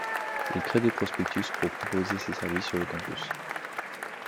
Il crée des prospectus pour proposer ses services sur le campus.